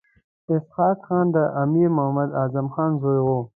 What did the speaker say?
اسحق خان د امیر محمد اعظم خان زوی وو.